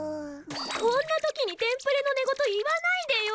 こんな時にテンプレの寝言言わないでよ。